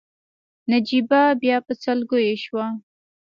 نجيبه بيا په سلګيو شوه.